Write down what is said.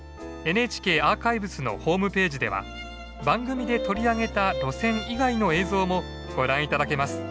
ＮＨＫアーカイブスのホームページでは番組で取り上げた路線以外の映像もご覧頂けます。